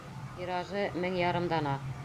Тиражы — мең ярым дана.